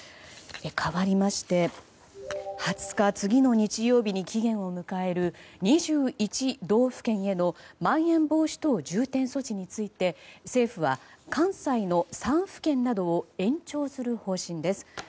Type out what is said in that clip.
かわりまして、２０日次の日曜日に期限を迎える２１道府県へのまん延防止等重点措置について政府は、関西の３府県などを延長する方針です。